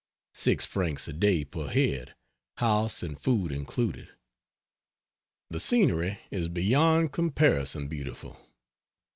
Six francs a day per head, house and food included. The scenery is beyond comparison beautiful.